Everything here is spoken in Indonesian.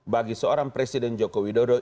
bagi seorang presiden joko widodo